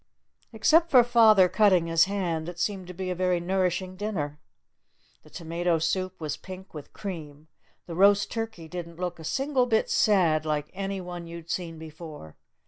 Except for father cutting his hand it seemed to be a very nourishing dinner. The tomato soup was pink with cream. The roast turkey didn't look a single sad bit like any one you'd seen before.